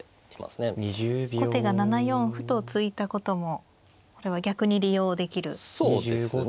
後手が７四歩と突いたこともこれは逆に利用できる形ですね。